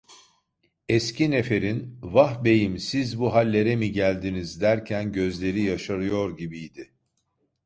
Eski neferin: "Vah beyim, siz bu hallere mi geldiniz!" derken gözleri yaşarıyor gibiydi.